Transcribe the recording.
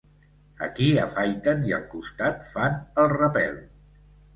Aquí afaiten i al costat fan el repel.